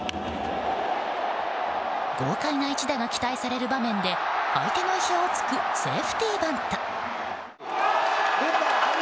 豪快な一打が期待される場面で相手の意表を突くセーフティーバント。